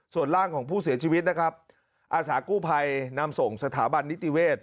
ส่วนร่างของผู้เสียชีวิตนะครับอาสากู้ภัยนำส่งสถาบันนิติเวศ